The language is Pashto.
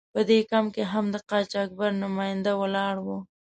په دې کمپ کې هم د قاچاقبر نماینده ولاړ و.